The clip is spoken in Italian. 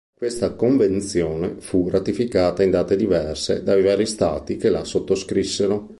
Questa convenzione fu ratificata in date diverse dai vari stati che la sottoscrissero.